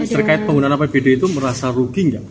sebagai penggunaan apbd itu merasa rugi gak